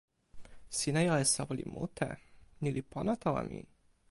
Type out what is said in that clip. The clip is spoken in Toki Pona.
sina jo e soweli mute. ni li pona tawa mi.